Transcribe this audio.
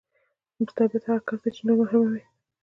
مستبد هغه کس دی چې نور محروموي.